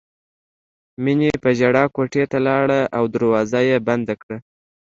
مینې په ژړا کوټې ته لاړه او دروازه یې بنده کړه